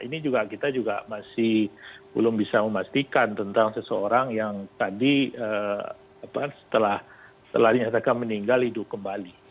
ini juga kita juga masih belum bisa memastikan tentang seseorang yang tadi setelah dinyatakan meninggal hidup kembali